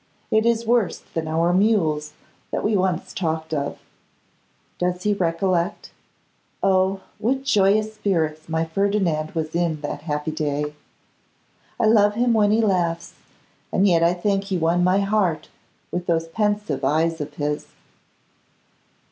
It is worse than our mules that we once talked of. Does he recollect? Oh! what joyous spirits my Ferdinand was in that happy day! I love him when he laughs, and yet I think he won my heart with those pensive eyes of his!